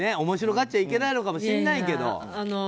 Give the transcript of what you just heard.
面白がっちゃいけないのかもしれないけど。